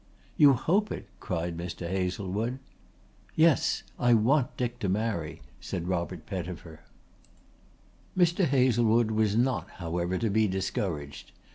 "You hope it?" cried Mr. Hazlewood. "Yes. I want Dick to marry," said Robert Pettifer. Mr. Hazlewood was not, however, to be discouraged.